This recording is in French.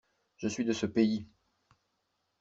Je suis de ce pays.